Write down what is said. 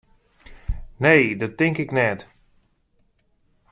Nee, dat tink ik net.